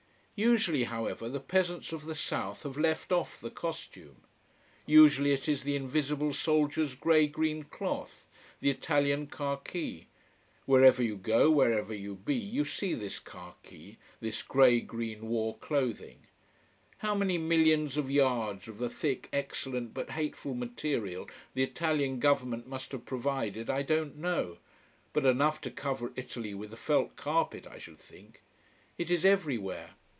Usually, however, the peasants of the South have left off the costume. Usually it is the invisible soldiers' grey green cloth, the Italian khaki. Wherever you go, wherever you be, you see this khaki, this grey green war clothing. How many millions of yards of the thick, excellent, but hateful material the Italian government must have provided I don't know: but enough to cover Italy with a felt carpet, I should think. It is everywhere.